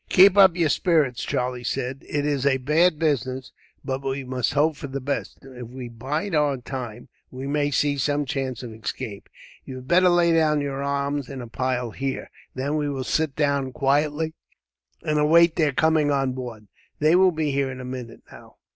"Keep up your spirits," Charlie said. "It is a bad business, but we must hope for the best. If we bide our time, we may see some chance of escape. You had better lay down your arms in a pile, here. Then we will sit down quietly, and await their coming on board. They will be here in a minute, now."